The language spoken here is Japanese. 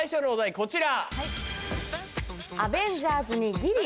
こちら。